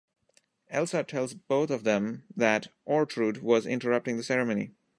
Elsa tells both of them that Ortrud was interrupting the ceremony.